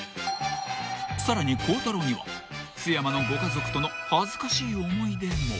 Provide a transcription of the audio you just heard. ［さらに孝太郎には津やまのご家族との恥ずかしい思い出も］